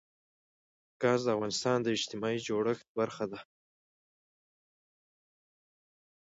ګاز د افغانستان د اجتماعي جوړښت برخه ده.